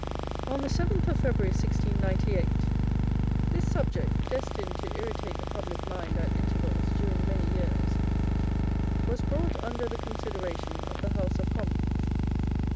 On the seventh of February 1698, this subject, destined to irritate the public mind at intervals during many years, was brought under the consideration of the House of Commons.